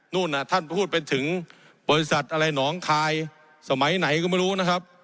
ท่านพูดไปถึงบริษัทอะไรหนองคายสมัยไหนก็ไม่รู้นะครับ